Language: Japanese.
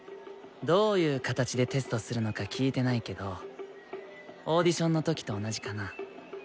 どういう形でテストするのか聞いてないけどオーディションの時と同じかな？